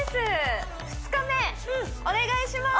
２日目お願いします